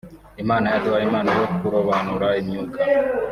Imana yaduhaye impano yo kurobanura imyuka